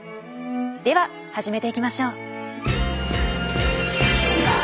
では始めていきましょう。